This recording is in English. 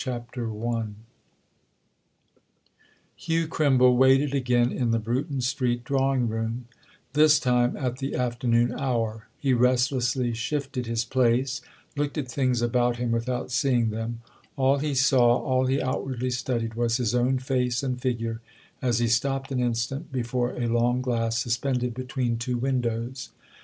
BOOK THIRD I HUGH CRIMBLE waited again in the Bruton Street drawing room—this time at the afternoon hour; he restlessly shifted his place, looked at things about him without seeing them; all he saw, all he outwardly studied, was his own face and figure as he stopped an instant before a long glass suspended between two windows.